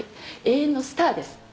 永遠のスターです